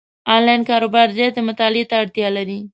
انلاین کاروبار زیاتې مطالعې ته اړتیا لري،